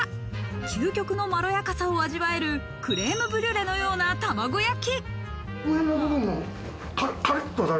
究極のまろやかさが味わえるというクリームブリュレのような卵焼き。